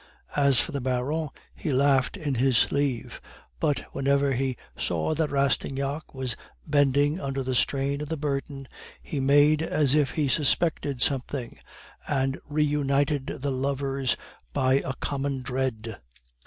As for the Baron, he laughed in his sleeve; but whenever he saw that Rastignac was bending under the strain of the burden, he made 'as if he suspected something,' and reunited the lovers by a common dread."